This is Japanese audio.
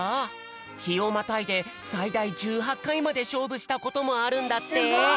ひをまたいでさいだい１８かいまでしょうぶしたこともあるんだって。